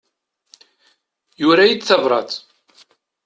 Yura-iyi-d tabrat.